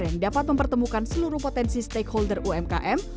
yang dapat mempertemukan seluruh potensi stakeholder umkm